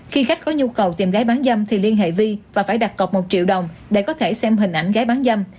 khi khách có nhu cầu tìm gái bán dâm thì liên hệ vi và phải đặt cọc một triệu đồng để có thể xem hình ảnh gái bán dâm